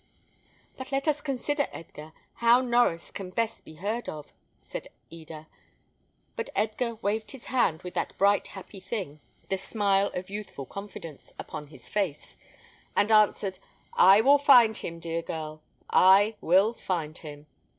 "But let us consider, Edgar, how Norries can best be heard of," said Eda; but Edgar waved his hand with that bright, happy thing, the smile of youthful confidence, upon his face, and answered, "I will find him, dear girl, I will find him.